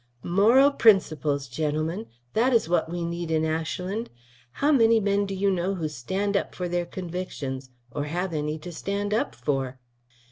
"Moral principles, gentlemen; that is what we need in Ashland. How many men do you know who stand up for their convictions or have any to stand up for?"